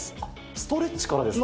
ストレッチからですか？